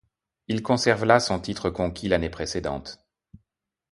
Il conserve là son titre conquis l'année précédente.